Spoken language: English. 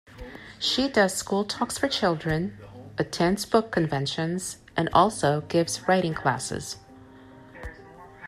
She does school talks for children, attends book conventions, and also gives writing classes.